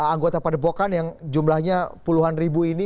anggota pad bokan yang jumlahnya puluhan ribu ini